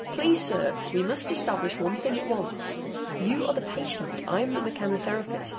"Please, sir! We must establish one thing at once. You are the patient. I am the mechanotherapist.